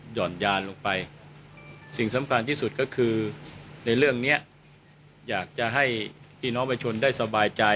่อนยานลงไปสิ่งสำคัญที่สุดก็คือในเรื่องนี้อยากจะให้พี่น้องประชาชนได้สบายใจ